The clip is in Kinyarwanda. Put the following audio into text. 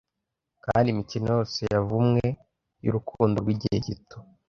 kandi imikino yose yavumwe y'urukundo rwigihe gito